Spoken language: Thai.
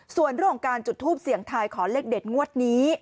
ส่วนโรงการจุดทูปเสียงทายขอเลขเด็ดงวดนี้